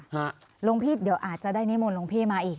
หลวงพี่เดี๋ยวอาจจะได้นิมนต์หลวงพี่มาอีก